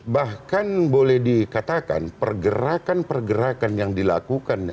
bahkan boleh dikatakan pergerakan pergerakan yang dilakukan